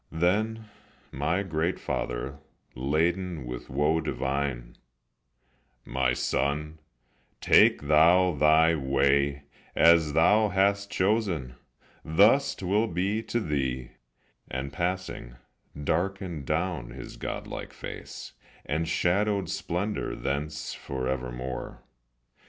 Then my great father, laden With woe divine: "My son, take thou thy way; As thou hast chosen, thus 't will be to thee;" And passing, darkened down his godlike face, And shadowed splendor thence forevermore.